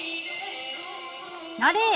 あれ！？